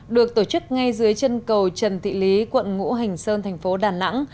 được tổ chức ngay dưới chân cầu trần thị lý quận ngũ hành sơn thành phố đà nẵng